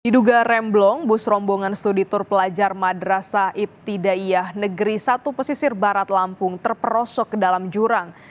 diduga remblong bus rombongan studi tur pelajar madrasah ibtidaiyah negeri satu pesisir barat lampung terperosok ke dalam jurang